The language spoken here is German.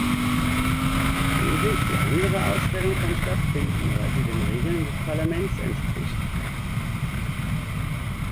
Sehen Sie, die andere Ausstellung kann stattfinden, weil sie den Regeln des Parlaments entspricht.